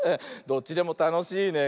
どっちでもたのしいね。